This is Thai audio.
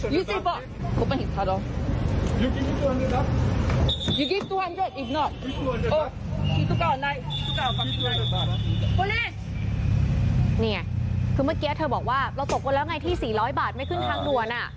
นี่คือเมื่อกี้เธอบอกว่าเราตกลงแล้วไงที่๔๐๐บาทไม่ขึ้นทางด่วน